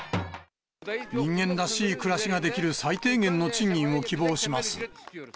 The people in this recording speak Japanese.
人間らしい暮らしができる最低限の賃金を希望します。